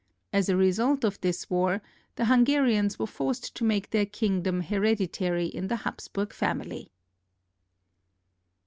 As a result of this war, the Hungarians were forced to make their kingdom hereditary in the Hapsburg family.